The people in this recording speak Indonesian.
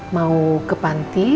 mau ke panti